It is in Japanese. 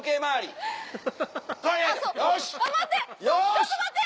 ちょっと待って！